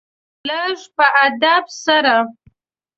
لږ په ادب سره .